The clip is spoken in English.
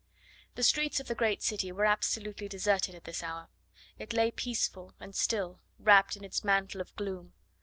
The streets of the great city were absolutely deserted at this hour. It lay, peaceful and still, wrapped in its mantle of gloom.